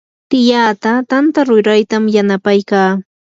tiyaata tanta ruraytam yanapaykaa.